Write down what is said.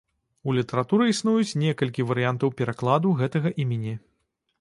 У літаратуры існуюць некалькі варыянтаў перакладу гэтага імені.